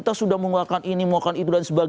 kita sudah mengulangkan ini itu dsb